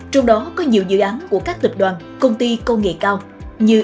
trong đó có nhiều dự án của các tập đoàn công ty công nghệ cao như